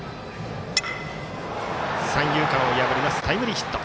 三遊間を破るタイムリーヒット。